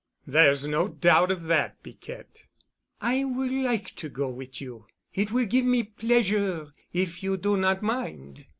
"There's no doubt of that, Piquette——" "I would like to go wit' you. It will give me pleasure—if you do not mind."